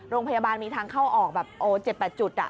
โรงพยาบาลมีทางเข้าออกแบบโอ้๗๘จุด